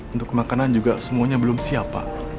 untuk makanan juga semuanya belum siap pak